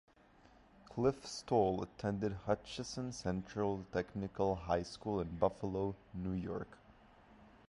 Cliff Stoll attended Hutchinson Central Technical High School in Buffalo, New York.